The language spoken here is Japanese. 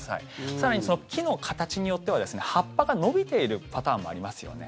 更に、木の形によっては葉っぱが伸びているパターンもありますよね。